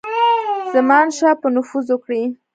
زمانشاه به نفوذ وکړي.